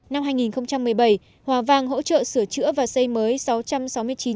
năm hai nghìn một mươi bảy hòa vang hỗ trợ sửa chữa và xây mới